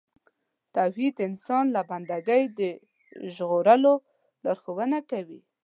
توحید د انسان له بندګۍ د ژغورلو لارښوونه کوي.